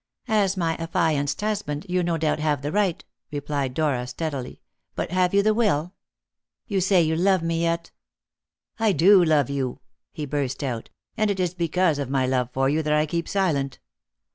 "As my affianced husband you no doubt have the right," replied Dora steadily; "but have you the will? You say you love me, yet " "I do love you!" he burst out; "and it is because of my love for you that I keep silent.